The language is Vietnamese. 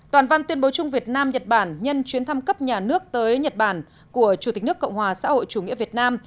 toàn văn tuyên bố chung việt nam nhật bản nhân chuyến thăm cấp nhà nước tới nhật bản của chủ tịch nước cộng hòa xã hội chủ nghĩa việt nam